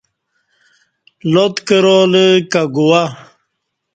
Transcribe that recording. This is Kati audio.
لات کرالہ کہ گوا